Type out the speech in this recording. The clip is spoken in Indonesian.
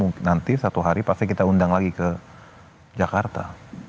nanti satu hari pasti kita undang lagi ke jakarta